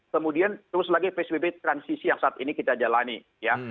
kemudian terus lagi psbb transisi yang saat ini kita jalani ya